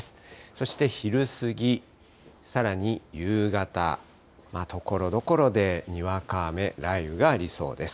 そして昼過ぎ、さらに夕方、ところどころでにわか雨、雷雨がありそうです。